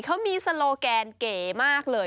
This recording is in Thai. เขามีโซโลแกนเก๋มากเลย